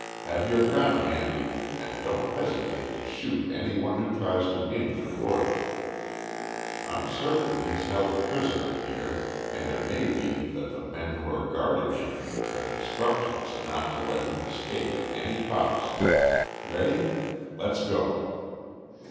Have your gun handy and don't hesitate to shoot anyone who tries to injure Buch. I'm certain he's held prisoner here and it may be that the men who are guarding him have instructions not to let him escape at any cost. Ready? Let's go!"